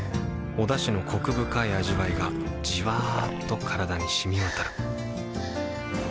おだしのコク深い味わいがじわっと体に染み渡るはぁ。